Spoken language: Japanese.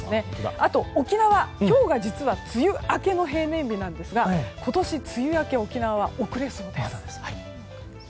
あと、沖縄は今日が梅雨明けの平年日なんですが今年、梅雨明け沖縄は遅れそうです。